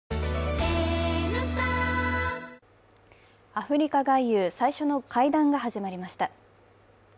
アフリカ外遊、最初の会談が始まりました。